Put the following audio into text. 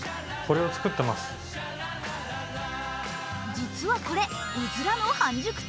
実はこれ、うずらの半熟卵。